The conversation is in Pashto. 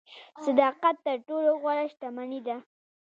صداقت تر ټولو غوره شتمني ده.